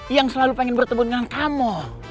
yang selalu pengen bertemu dengan kamu